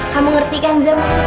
kamu ngerti kan ja maksud aku